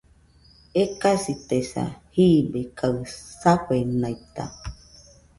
Ekasitesa, jibe kaɨ safenaita